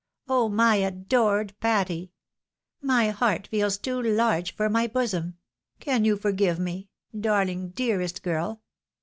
Oh! my adored Patty! My heart feels too large for my bosom. Can you forgive me? Darling, dearest girl